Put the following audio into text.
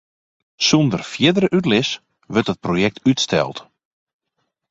Sûnder fierdere útlis wurdt it projekt útsteld.